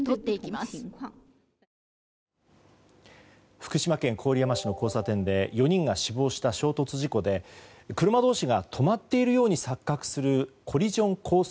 福島県郡山市の交差点で４人が死亡した衝突事故で車同士が止まっているように錯覚するコリジョンコース